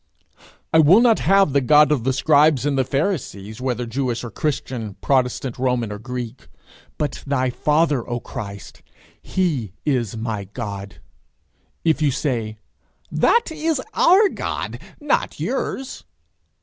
I will not have the God of the scribes and the pharisees whether Jewish or Christian, protestant, Roman, or Greek, but thy father, O Christ! He is my God. If you say, 'That is our God, not yours!'